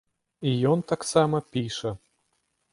І ён таксама піша.